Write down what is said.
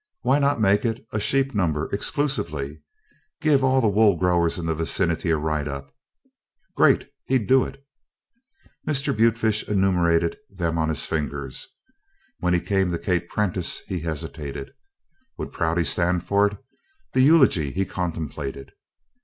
Why not make it a sheep number exclusively? Give all the wool growers in the vicinity a write up. Great! He'd do it. Mr. Butefish enumerated them on his fingers. When he came to Kate Prentice, he hesitated. Would Prouty stand for it the eulogy he contemplated?